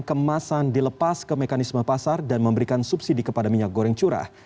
kemasan dilepas ke mekanisme pasar dan memberikan subsidi kepada minyak goreng curah